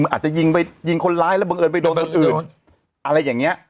อาจจะยิงไปยิงคนร้ายแล้วบังเอิญไปโดนคนอื่นอะไรอย่างนี้